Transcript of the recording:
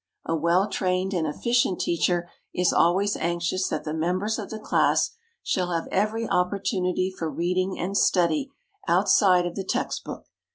A well trained and efficient teacher is always anxious that the members of the class shall have every opportunity for reading and study outside of the text book.